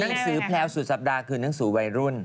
หนังสือแพลวสุดสัปดาห์คือหนังสือวัยรุ่น